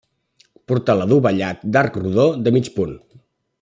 Portal adovellat d'arc rodó de mig punt.